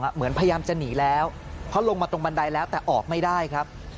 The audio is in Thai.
เหมือนพยายามจะหนีแล้วเพราะลงมาตรงบันไดแล้วแต่ออกไม่ได้ครับ